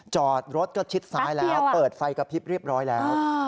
จอดรถก็ชิดซ้ายแล้วเปิดไฟกระพริบเรียบร้อยแล้ว